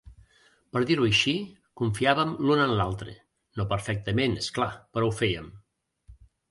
Per dir-ho així, confiàvem l'un en l'altre, no perfectament, és clar, però ho fèiem.